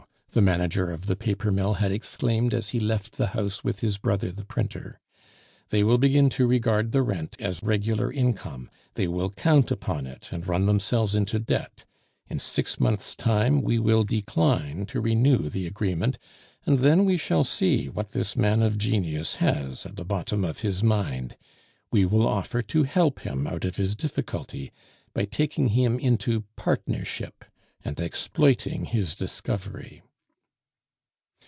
the manager of the paper mill had exclaimed as he left the house with his brother the printer. "They will begin to regard the rent as regular income; they will count upon it and run themselves into debt. In six months' time we will decline to renew the agreement, and then we shall see what this man of genius has at the bottom of his mind; we will offer to help him out of his difficulty by taking him into partnership and exploiting his discovery."